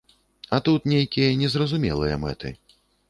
А тут нейкія незразумелыя мэты.